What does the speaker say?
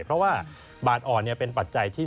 เพราะว่าบาดอ่อนเป็นปัจจัยที่